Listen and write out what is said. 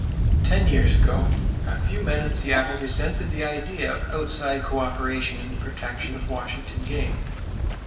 Ten years ago a few men in Seattle resented the idea of outside co operation in the protection of Washington game.